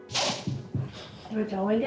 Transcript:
ぶーちゃん、おいで。